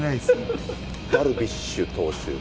ダルビッシュ投手は？